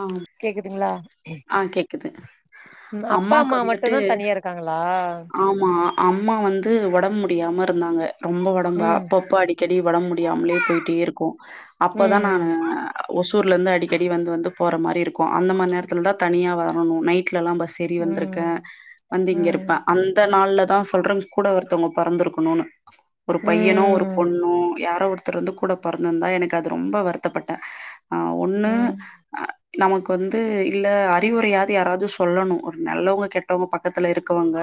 ஆமா கேக்குதுங்ளா அம்மாக்கு வந்துட்டு இருக்காங்களா ஆமா அம்மா வந்து உடம்பு முடியாம இருந்தாங்க ரொம்ப உடம்பு ம் அப்பப்ப அடிக்கடி உடம்பு முடியாம்லயே போயிட்டே இருக்கு அப்பதா நானு ம் ஒசூர்லந்து அடிக்கடி வந்து வந்து போற மாரி இருக்கு அந்த மாரி நேரத்துல தா தனியா வரணு நைட்லெல்லா பஸ் ஏறி வந்திருக்க ம் வந்து இங்க இருப்பா ம் அந்த நாள்லதா சொல்ற கூட ஒருத்தவங்க பொறந்துருக்கணுனு ஒரு பையனோ ஒரு ம் பொண்ணோ யாரோ ஒரு த்தரு வந்து கூட பொறந்திருந்தா எனக்கு அது ரொம்ப வருத்தப்பட்டே ஆ ஒன்னு ம் நமக்கு வந்து இல்ல அறிவுரையாது யாராவது சொல்லணு ஒரு நல்லவங்க கெட்டவங்க பக்கத்துல இருக் குவாங்க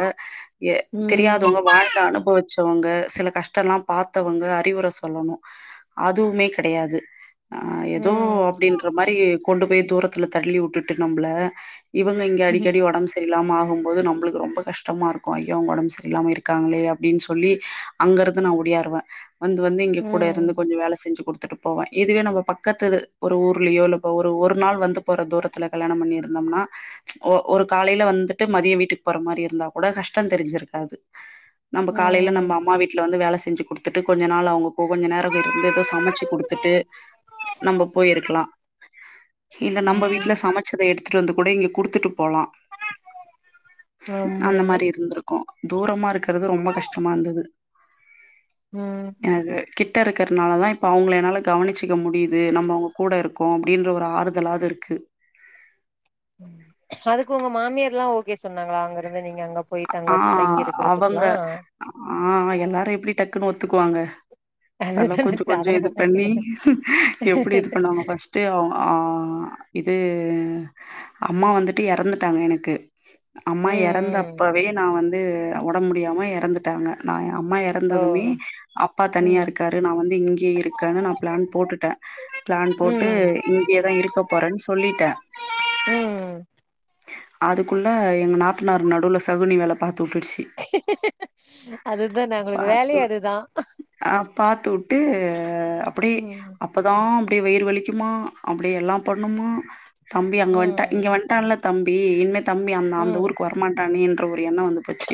எ ம் தெரியாதவங்க வாழ் ந்து அனுபவிச்சவங்க சில கஷ்டல்லா பாத்தவங்க அறிவுர சொல்லணு. அதுவுமே கெடையாது. அ அ எதோ ம் அப்டின்ற மாரி கொண்டு போய் தூரத்துல தள்ளி உட்டுட்டு நம்ப்ள இவுங்க இங்க அடிக்கடி ஒடம் செ ரியில்லாம ஆகும் போது நம்புளுக்கு ரொம்ப கஷ்டமா இருக்கு அய்யோ அவுங்க ஒடம் செரில்லாம இருக்காங்களே அப்டின் சொல்லி அங்கருந்து நா ஒடியாருவே. வந்து வந்து இங்க கூட இருந்து ம் கொஞ்சோ வேல செஞ்சு குடுத்துட்டு போவே. இதுவே நம்ப பக்கத்துது ஒரு ஊர்லியோ இல்ல இப்ப ஒரு ஒரு நாள் வந்து போற தூரத்துல கல்யாணம் பண்ணிருந்தம்னா ஒ ஒரு காலைல வந்துட்டு மதியோ வீட்டுக் போற மாரி இருந்தா கூட கஷ்டந் தெரிஞ்சிருக்காது. நம்ப ம் காலைல நம்ம ம் அம்மா வீட்ல வந்து வேல செஞ்சு குடுத்துட்டு கொஞ்ச நாள் அவுங்கப் போ கொஞ்ச நேரவ் இருந்து எதோ சமைச்சு குடுத்துட்டு நம்ப போயிருக்கலா. இல்ல நம்ப வீட்ல சமைச்சத எடுத்துட்டு வந்து கூட இங்க குடுத்துட்டு போலா. ஆமா அந்த மாரி இருந்திருக்கு தூரமா இருக்கறது ரொம்ப கஷ்டமா இந்துது. ம். எனக்கு கிட்ட இருக்கற்னால தா இப்போ அவுங்கள என்னால கவனிச்சிக்க முடியிது நம்ப அவுங்க கூட இரு க்கோ அப்டின்ற ஒரு ஆறுதலாது இருக்கு. ம் அதுக்கு உங்க மாமியார்ல்லா ஓகே சொன்னாங்களா அங்க இருந்து நீங்க அங்க போயி தங்க தங்கி இருக்கிறத்துக்லா? அ ஆ எல்லாரு எப்டி டக்குனு ஒத்துக்குவாங்க. அதல்லா அதுதான கொஞ்சோ கொஞ்சோ இது அதனாலதா பண்ணி கேட்டே எப்டி இது பண்ணுவாங்க ஃபஸ் ட்டு அவ் அ இது அம்மா வந்துட்டு எறந்துட்டாங்க எனக்கு அம்மா ம் ம் எறந்தப்பவே நா வந்து அ ஒடம் முடியாம எறந்துட்டாங்க நா எ அம்மா எ ஓ றந்ததுமே அப்பா தனியா ம் இருக்காரு நா வந்து இங்யே இருக்கனு நா பிளான் போட்டுட்டே. பிளான் போட்டு ம் இங்யேதா இருக்க போறன் சொல்லிட்டே. ம் அதுக்குள்ள எங்க நாத்தனார் நடுவுல சகுனி வேல பாத்து உட்டுடுசி. அதுதான அவுங்குளுக்கு வேலயே அதுதா. அ பாத்து உட்டு அ அப்பிடியே ம் அப் ப்பதா அப்டியே வயிறு வலிக்குமா அப்டியே எல்லாம் பண்ணுமா தம்பி அங்க வன்ட்டா இங்க ம் வன்ட்டால்லத் தம்பி இன்மே தம்பி அந்த அந்த ம் ஊருக்கு வரமாட்டானேன்ற ஒரு எண்ணோ வந்து போச்சி.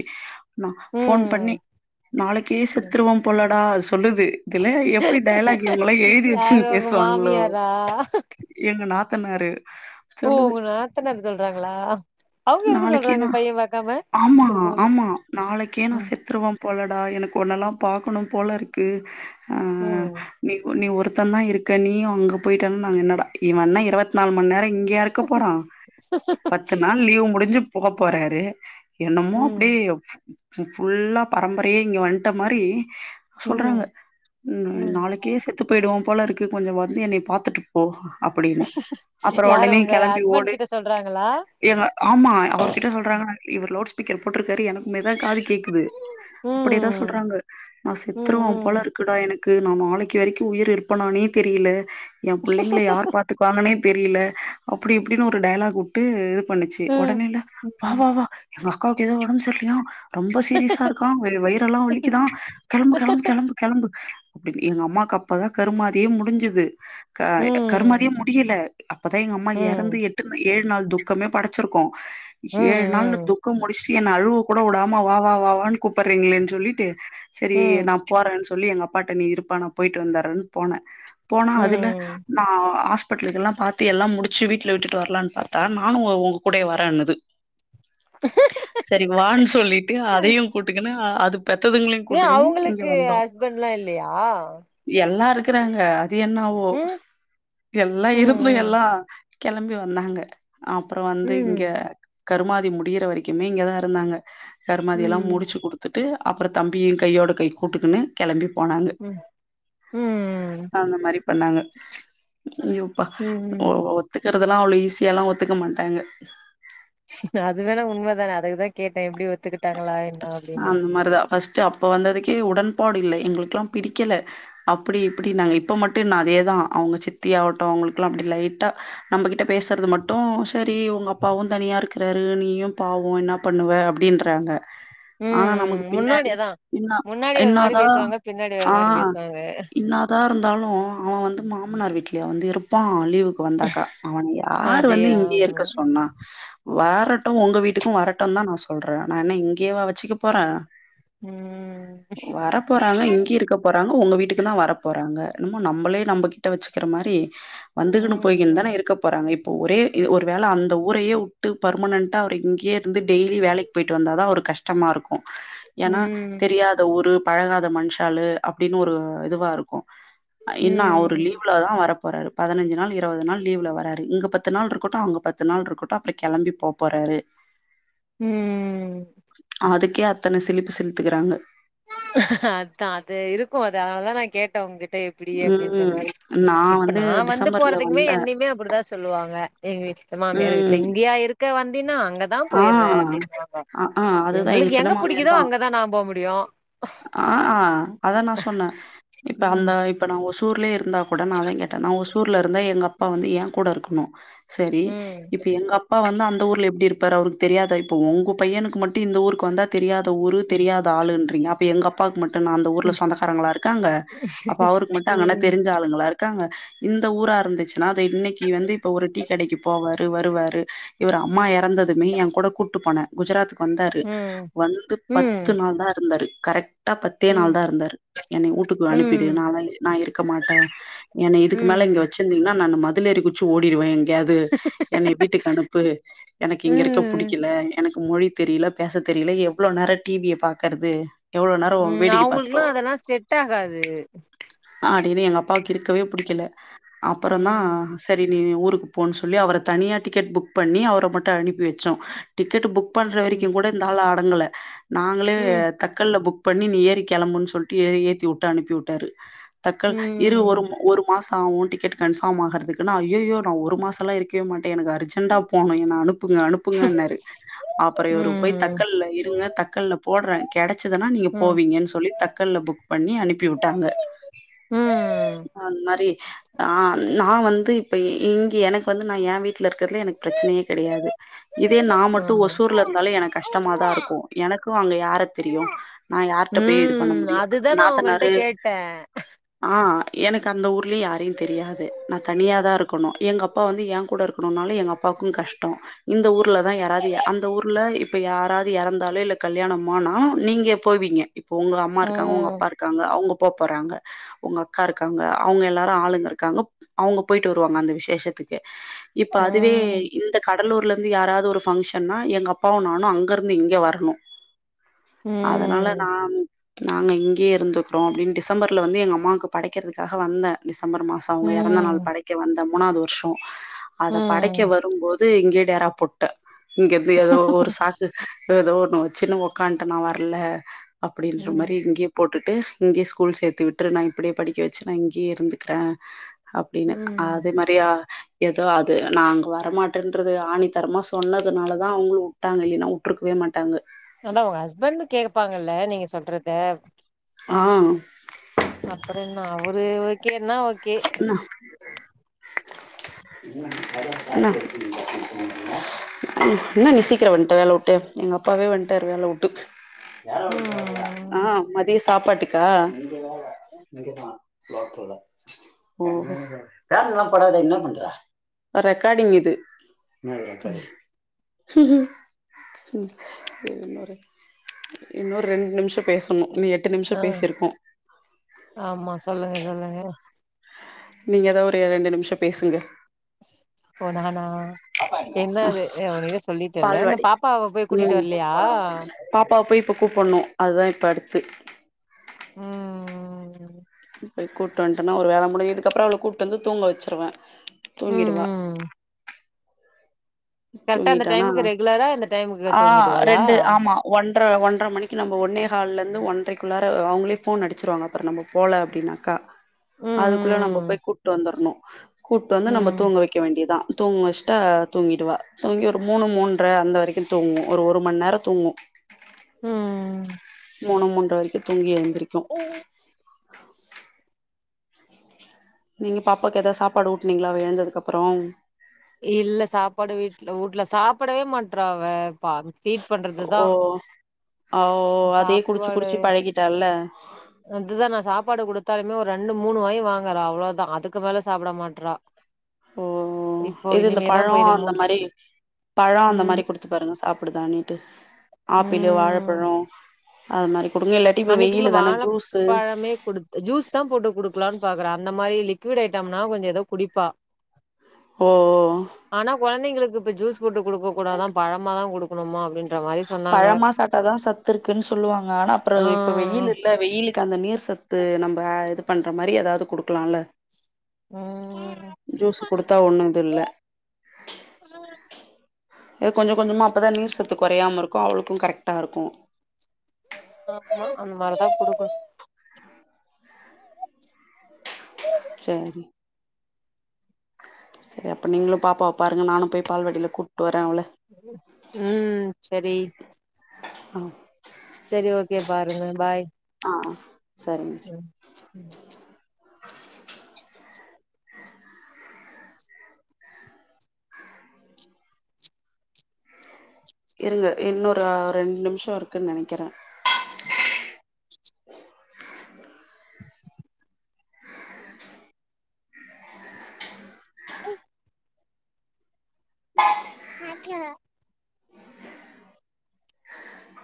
ந ஃபோன் பண்ணி ம் நாளைக்கே ம் செத்துருவம் போலடா சொல்லுது. இதுல எப்டி டயலாக்கு இவுங்கல்லா எழுதி யாரு வெச்சுன் உங்க பேசுவாங்கலோ? மாமியாரா எங்க நாத்தனாரு ஓ சொல்லுது. உங்க நாத்தனார் சொல்றாங்களா. அவங்க எதுக்கு நாளக்கே சொல்றாங்க நா பைய பாக்காம ஆமா இருக்கணுன்னு ஆமா நாளைக்கே நா ம் செத்துருவம் போலடா எனக்கு ஒன்னெல்லாம் பாக்கணும் போல இருக்கு அ ம் நீ ஒ நீ ஒருத் தந்தா இருக்க நீயு அங்க போயிட்டான் நாங்க என்னடா இவ என்ன இரவத்நாலு மண் நேரோ இங்கயாரு க்கப்போறா பத்து நாள் லீவு முடிஞ்சு போ போறாரு. என்னமோ அப்டியே ம் எஃப் ஃபு ஃபுல்லா பரம்பரையே இங்க வந்ட்ட மாரி ம் சொல்றாங்க ம் நாளைக்கே செத்து போயிடுவம் போலருக்கு கொஞ்சோ வந்து என்னைய பாத்துட்டுப் போ அப்படினு அப்புறோ யாரு ஒடனே உங்க கெளம்பி ஹஸ்பண்ட் ஓடு. கிட்ட சொல்றாங்களா எங்க ஆமா அவரு கிட்ட சொல்றாங்க நா இவர் லவுட் ஸ்பீக்கர் போட்ருக்காரு எனக்குமேதா காது கேக்குது. அப்பிடியேதா ம் சொல்றாங்க நா ம் செத்துருவ போல ம் இருக்குடா என நா நாளைக் வரைக்கு உயிர் இருப்பனானே தெரில எம் புள்ளைங்கள யார் பார்த்து பாங்கனே தெரில அப்டி இப்டின்னு ஒரு டைலாக் விட்டு இது பண்ணுச்சு ம் உடனே இல்ல வா வா ம் வா எங்க அக்காவுக்கு ஏதோ உடம்பு சரியிலையா ரொம்ப சீரியஸா இருக்கா வயிறெல்லா வலிக்குதா கெளம்பு கெளம்பு கெளம்பு கெளம்பு அப்டினு எங்க அம்மாவுக்கு அப்ப தா கருமாதியே முடிஞ்சுது ம் கருமாதியே முடியல அப்பதா எங்க அம்மா ம் இறந்து எட்டு ஏழு நாள் துக்கமே படச்சிருக்கோ ஏழு நாள் ம் துக்கம் முடிச்சுட்டு என்ன அழுவ கூட விடாம வா வா வாவான்னு கூப்பறீங்கலேன்னு சொல்லிட்டு ம் சரி ம் நா போறேன்னு சொல்லி எங்க அப் பாட்ட நீ இருப்பா நா போயிட்டு வந்தரேன்னு போனே போனா அதுல ம் நா பட் இதெல்லா பாத்து எல்லா முடிச்சு வீட்ல விட்டுட்டு வரலானு பார்த்தா நானு உங்கூடயே வரேன்னுது சரி வான்னு சொல்லிட்டு அதையு கூட்டுக்குனு அது பெத்ததுங்களையு ஏ கூட்டிகுனு இங்க அவங்களுக்கு வந்தோ. ஹஸ்பண்ட்லா இல்லையா எல்லா இருக்கறாங்க அது என்னவோ ம் எல்லா இருந்து ம் எல்லா கிளம்பி வந்தாங்க. அப்றோ வந்து ம் கர்மாதி முடியற வரைக்குமே இங்கதா இருந்தாங்க. கர்மாதிலா முடிச்சு ம் குடுத் துட்டு அப்றோ தம்பியு கையோட கை கூட்டுக்குன்னு கிளம்பி போனாங்க ம் ம் அந்த மாரி பண்ணாங்க ஐ யோ பா ம் ம். ஒத்துக்கறதெல்லா அவ்ளோ ஈஸியாலா ஒத்துக்க மாட்டாங்க. அதுவேனா உண்மதான அதுக்குதா கேட்டே எப்டி ஒத்துக்கிட்டாங்களா என்ன அப்டின்னு அது மாரிதா பஸ் ட் அப்ப வந்ததுக்கே உடன்பாடு இல்லை. எங்களுக்கெல்லா பிடிக்கல. அப்டி இப்டி நாங்க இப்ப மட்டு என்னா அதேதா அவங்க சித்தி ஆகட்டு அவங்களுக்லா அப்டி லைட்டா நம்மகிட்ட பேசுறது மட்டும் சேரி உங்க அப்பாவு தனியாருக்கறாரு நீயு பாவோ என்னா பண்ணுவ அப்டின்றாங்க. [inaudible] ஆனா நமக்கு முன்னாடி பின்னாடி அதா என்னா முன்னாடி ஒரு மாரி என்னாதா பேசுவாங்க பின்னாடி ஒரு ஆ மாரி பேசுவாங்க என்னா தா இருந்தாலு அவன் வந்து மாமனார் வீட்லயா வந்து இருப்பான் லீவுக் வந்தாக்கா அவன யாரு வந்து அதேதா இங்கேயே ஆமா இருக்க சொன்னா வரட்டு உங்க வீட்டுக்கு வரட்டுனு தா நா சொல்றே. நா என்ன இங்கேயேவா வெச்சுக்க போறே ம் வரப்போறாங்க இங்கே இருக்க போராங்க உங்க வீட்டுக்குதா வரப்போறாங்க என்னமோ நம்மளே நம்ம வெச்சுக்கற மாரி வந்துகுனு போயிகுனுதான ம் இருக்க போறாங்க ஒரே ஒரு வேல அந்த ஊரயே விட்டு பர்மனண்டா அவர் இங்கயே இருந்து டெய்லி வேலைக்கு போயிட்டு வந்தா தா அவர்க் கஷ்டமா இருக்கு ஏனா தெரியா த ஒரு பழகாத மனுஷாலு அப்டின்னு ஒரு இதுவா இருக்கு என்னா ம் அவரு லீ ம் வுலதா வர போறாரு பதினஞ்சு நாள் இருவது நாள் லீவ்ல வராரு இங்க பத்து நாள் இருக்கட்டு அங்க பத்து நாள் இருக்கட்டு அப்றோ கெளம்பி போ போறாரு ம் அதுக்கே அத்தன சிலுப்பு சிலுத்துக்கறாங்க ஹஹ அதா அது இருக்கு அது அதா நா கேட்ட உங்க கிட்ட எப்டி அப்டின்ற ம் மாரி இப்ப நா வந்து போறதுக்குமே என்னையுமே அப்டிதா சொல்லுவாங்க எங்க வீட்டுல மாமியார் வீட்டுல ம். இங்கியா இருக் இங்க வந்தினா அங்க தா ஆ. போயிர்ற அப்டிறாங்க அ ஆ அதுதான் எங்ளுக்கு சின்ன எங்க மாமியார் புடிக்குதோ தான். அங்கதா நா போகமுடியு ஆ ஆ அதா நா சொன்ன இப்ப அந்த ம் இப்ப நா ஒசூர்லய இருந்தா கூட நா அதா கேட்ட நா ஒசூர்ல இருந்தா எங்க அப்பா வந்து ஏங்கூட இருக்கணு சரி ம் இப்ப எங்க அப்பா வந்து அந்த ஊர்ல எப்டி இரு பாரு அவருக்கு தெரியாதா இப்ப உங்க பையனுக்கு மட்டு இந்த ஊருக்கு வந்தா தெரியாத ஊரு தெரியாத ஆளுன்றீங்க அப்ப எங்க அப் பாக்கு மட்டுனா அந்த ஊர்ல ம் சொந்தக்காரங்ளா இருக்காங்க அப்ப அவருக்கு மட்டு அங்கன ம் தெரிஞ்ச ஆளுங்ளா இரு க்காங்க இந்த ஊரா இருந்துச்சுனா இன்னைக்கு வந்து இப்ப ஒரு டீ கடைக்கு போவாரு வருவாரு இவர் அம்மா எறந்த துமே என் கூட கூட்டு போன குஜராத்துக்கு வந்தாரு ம் வந்து பத்து ம் நாள்தா இருந்தாரு கரெ க்ட்டா பத்தே நாள்தா இருந்தாரு என்னை வூட்டுக்கு ம் அனுப்பிடு நால்லா நா இருக்க மாட்ட என்ன இதுக்கு மேல இங்க ம் வெச்சு இருந்தீங்கன்னா நா மதுலேறி குதிச்சு ஓடிருவ எங்யாது என்னை வீட்டுக்கு அனுப்பு எனக்கு இங்க இருக்க ம் புடிக்கல எனக்கு மொழி தெரில பேசத் தெரில எவ்ளோ நேரோ டி விய பாக்கறது எவ்ளோ நேரோ ம் வேடிக்கை பாத்துட்டோ அவங்களுக்குல்லாம் அதெல்லாம் செட் ஆகாது. அப்டின்னு எங்க அப்பாக்கு இருக்கவே புடிக்கல அப்பொறந்தா ம் சரி நீ ஊருக்கு போன்னு சொல்லி அவர தனியா டிக்கெட் புக் பண்ணி அவர மட்டு அனுப்பி வெச்சோ டிக்கெட்டு புக் பண்ற ம் வரைக்குங் கூட இந்த ஆளு அடங்கல நாங்ளே ம் தக்கல்ல புக் பண்ணி நீ ஏறி கெளம்புன்னு சொல்ட்டு ஏறி ஏத்தி வுட்டு அனுப்பி வுட்டாரு தக்கல் இரு ஒரு ம் ஒரு மாஸ் ஆ உன் டிக்கெட் கன்ஃபார்ம் ஆகறதுக்குனா அய்யய்யோ நா ஒரு மாசோல்லா இருக்கவே மாட்டே எனக்கு அர்ஜென்டா போணு ப்புங்க அனுப்புங்கன்னாரு அப்றோ இவரு போயி ம் தக்கல்ல இருங்க தக்கல்ல போடுற கெடைச்சுதுனா நீங்க ம் போவீங்கன்னு சொல்லி தக்கல்ல புக் பண்ணி அனுப்பி வுட்டாங்க ம் அந்மாரி ஆ நா வந்து இப்ப இ இங்க எனக்கு வந்து நா என் வீட்ல இருக்கறதுல எனக்கு ப்ரச்சனையே கெடையாது இதே நா மட்டு ஆமா ஒசூர்ல இருந்தாலு எனக்கு கஷ்டமாதா இருக்கு எனக்கு அங்க யார தெரியு நா யார்ட்ட போயி இது பண்ண ம் முடியு அதுதா நா உங்கள்ட்ட நாத்தனாரு கேட்டே ஆ எனக்கு அந்த ஊர்லயு யாரயு தெரியாது நா தனியாதா இருக்குணு எங்க அப்பா வந்து என் கூட இருக்க னுனாலு எங்க அப்பாவுக்கு கஷ்டோ இந்த ஊர்லதா யாராது அந்த ஊர்ல இப்ப யாராது எறந்தாலு இல்ல கல்யாணமானா நீங்க போவீங்க இப்ப உங்க அம்மா இருக்காங்க உங்க ம் அப்பா இரு க்காங்க அவுங்க போ போறாங்க உங்க அக்கா இருக்காங்க அவுங்க எல்லாரு ஆளுங்க இருக்காங்க அவுங்க போயிட்டு வருவாங்க அந்த விசேஷத் ததுக்கு இப்ப அதுவே ம் இந்த கடலூர்ல ந்து யாராது ஒரு ஃபங்க்ஷன்னா எங்க அப்பாவு நானு அங்க இருந்து இங்க வரணு அதனால நா ம் நாங்க இங்கியே இருந்துக்குறோ அப்டின்னு டிசம்பர்ல வந்து எங்க அம்மாக்கு படைக்கிறதுக்காக வந்த டிசம்பர் மாசோ அவுங்க எறந்த நாள் ம் படைக்க வந்த மூணாவுது வருஷோ அத படைக்க ம் வரும்போது இங்யே டேரா போட்ட இங்கிருந்து எதோ ஒரு சாக்கு எதோ ஒன்னு வெச்சின்னு உக்கான்ட்ட நா வர்ல அப்டின்ற மாரி ம் இங்கியே போட்டுட்டு இங்கியே ஸ்கூல் சேத்து விட்டுரு நா இப்டியே படிக்க வெச்சு நா இங்கியே இருந்துக்குற அப்டின்னு ம் அதே மாரியா எதோ அது நா அங்க வரமாட்டேன்றது ஆணித் தரமா சொன்னதுனாலதா அவுங்களு வுட்டாங்க இல்லினா வுட்ருக்கவே மாட்டாங்க த ஆனா ஒரு ஹஸ்பண்டு கேக்குப்பாங்கல்ல நீங்க சொல்றத ஆ அப்றோ என்ன அவரு ஓகேனா நா என்னா இன்னைக்கு என்ன நீ சீக்கிரோ வந்ட்ட வேல வுட்டு எங்க அப்பாவே வந்ட்டாரு வேல வுட்டு ஆ ம் மதிய சாப்பாட்டுக்கா லோக்கல்ல தேவ இல்லமா என்ன பண்ற ரெக்கார்டிங் இது என்ன ரெகார்டிங் இன்னொரு இன்னொரு ரெண்டு நிமிஷம் பேசணும் இன்னு எட்டு ஆ நிமிஷம் பேசியிருக்கோம் ஆமா சொல்லுங்க சொல்லுங்க நீங்க எதா ஒரு ரெண்டு நிமிஷம் பேசுங்க ஓ னானா என்னா அது ஏ உன்னிட்ட சொல்லிட்டன்ல இந்த பால்வாடி பாப்பாவ போயி கூட்டிட்டு ம் வர்லயா பாப்பாவ போய் இப்போ கூப்புணு அதுதா இப்போ அடுத்து ம் போய் கூப்ட்டு வன்டன்னா ஒரு வேல முடியும் இதுக்கப்பறோ அவள கூப்ட்டு வந்து தூங்க வச்சுருவ ம் தூங்கிடுவா ம் கரெக்டா அந்த தூங்கிட்டானா டைமுக்கு ரெகுலரா இந்த டைமுக்கு ஆ தூங்கிடுவாளா ரெண்டு ஆமா ஒன்ற ஒன்ற மணிக்கு நம்ம ஒன்னே ஹால்ல இருந்து ஒன்றக்குள்ளார அவுங்ளே போன் அடிச்சிருவாங்க அப்பறம் நம்ம போல அப்டின்னாக்கா அதுக்குள்ள நம்ம ம் போய் கூட்டு வந்துர்ணு கூட்டு வந்து ம் நம்ம ம் தூங்க வைக்க வேண்டியதான் தூங்கவஷ்டா தூங்கிகுவா தூங்கி ஒரு மூணு மூன்ற அந்த வரைக்கும் தூங்கும் ஒரு ஒரு மண்நேரம் தூங்கும் ம் மூனு மூன்ற வரைக்கும் தூங்கி எந்திருக்கும் நீங்க பாப்பாவுக்கு ஏதாவ சாப்பாடு ஊட்னீங்ளா அவ ஏழுந்ததுக்கு அப்பறம் இல்ல சாப்பாடு வீட்டுல ஊட்ல சாப்பிடவே மாட்றா அவ ஃபீட் பண்றதுதான் அ ஓ அதயே குடிச்சு குடிச்சு பழகிட்டால அதுதான் நான் சாப்பாடு குடுத்தாலுமே ஒரு ரெண்டு மூனு வாய் வாங்குற அவ்ளோதான் அதுக்கு மேல சாப்பிட மாட்டறா ஓ இது இந்த போய் பழம் இது அந்த முடிச் மாரி பழம் அந்த மாரி ம் குடுத்து த்து பாருங்க சாப்படுதாண்டிட்டு ஆப்பிளு ம் வாழைப்பழம் அது மாரி குடுங்க இல்லாட்டி இப்ப வெயில தானே ஜூஸு குடுத்து ஜூஸ் தான் போட்டு குடுக்லான்னு பாக்குறன் அந்த மாரி லிக்விட் ஐடம்னா கொஞ்சோ ஏதோ குடிப்பா ஓ ஓ ஆனா கொழந்தைங்ளுக்கு இப்ப ஜூஸ் போட்டு குடுக்க கூடாதான் பழமா தான் குடுக்கணுமா அப்டின்ற மாரி சொன்னாங்க அதான் சத்து இருக்குன்னு சொல்லுவாங்க ஆனா அப்புறம் ஆ இப்ப ஆ வெயிலு இல்ல வெயிலுக்கு அந்த நீர் சத்து நம்ம இது பண்ற மாரி ஏதாவது குடுக்கலால்ல ம் ஜூஸு கொடுத்தா ஒண்ணு இதுல்ல ஏது கொஞ்சம் கொஞ்சமா அப்பதான் நீர் சத்து குறையாம இருக்கும் அவளுக்கும் கரெக்டா இருக்கும் ஆ அந்த மார்தான் கொடுக்கனு சேர் சேரி அப்போ நீங்களும் பாப்பாவ பாருங்க நானும் போய் பால்வாடில கூட்டு வரேன் அவள ம் செரிங்க ஆ செரி ஓகே பாருங்க பாய் ஆ சரிங்க உம் உம் இருங்க இன்னொர ரெண்டு நிம்ஷோ இருக்குன்னு நெனைக்கிறே